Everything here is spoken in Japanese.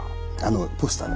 ポスターが。